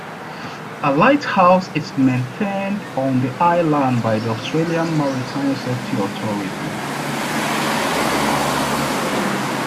A lighthouse is maintained on the island by the Australian Maritime Safety Authority.